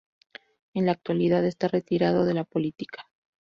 En la actualidad está retirado de la política.